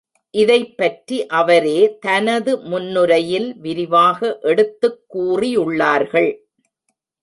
இதைப் பற்றி அவரே, தனது முன்னுரையில் விரிவாக எடுத்துக் கூறியுள்ளார்கள்.